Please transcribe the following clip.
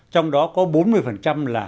trong đó có bốn mươi là